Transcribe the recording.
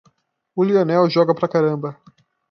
O Lionel joga pra caramba.